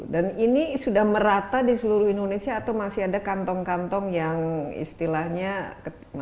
dan ini sudah merata di seluruh indonesia atau masih ada kantong kantong yang istilahnya masih perlu ditingkatkan